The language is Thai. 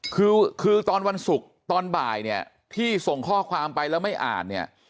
คือตอนวันศุกร์ตอนบ่ายที่ส่งข้อความไปแล้วไม่อ่าน